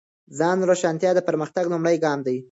ځان روښانتیا د پرمختګ لومړی ګام دی.